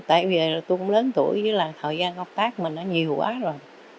tại vì tôi cũng lớn tuổi với là thời gian công tác mình nó nhiều quá rồi